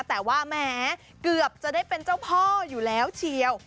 แต่ว่าแม้เกือบจะได้เป็นเจ้าพ่ออยู่แล้วเชียว